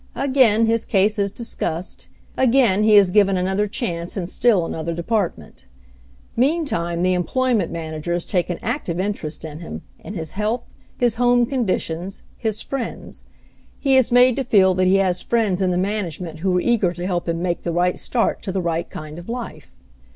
Again his case is discussed, again he is given another chance in still another department. Meantime the em ployment managers take an active interest in him, in his health, his home conditions, his friends. He is made to feel that he has friends in the man agement who are eager to help him make the right start to the right kind of life.